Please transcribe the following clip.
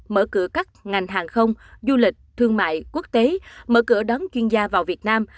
mở cửa các ngành hàng không du lịch thương mại quốc tế mở cửa đón chuyên gia vào việt nam